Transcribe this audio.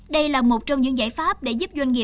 đây là một trong những giải pháp để giúp doanh nghiệp